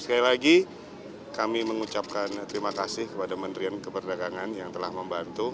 sekali lagi kami mengucapkan terima kasih kepada menterian keperdagangan yang telah membantu